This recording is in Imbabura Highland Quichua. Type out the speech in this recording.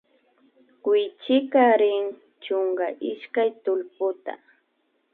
Kuychika chrin chunka ishkay tullputa